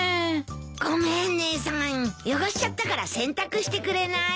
ごめん姉さん汚しちゃったから洗濯してくれない？